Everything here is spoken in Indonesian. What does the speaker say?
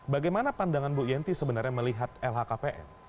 bagaimana pandangan bu yenti sebenarnya melihat lhkpn